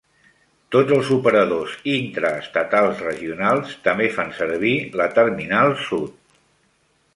Tots els operadors intraestatals regionals també fan servir la Terminal Sud.